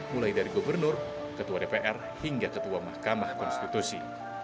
mulai dari gubernur ketua dpr hingga ketua mahkamah konstitusi